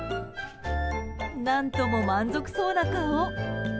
何とも満足そうな顔。